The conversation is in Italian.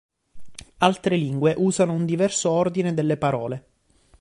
Altre lingue usano un diverso ordine delle parole.